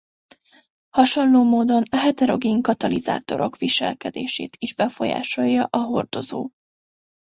Hasonló módon a heterogén katalizátorok viselkedését is befolyásolja a hordozó.